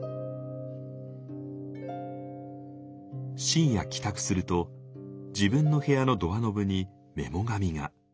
深夜帰宅すると自分の部屋のドアノブにメモ紙が。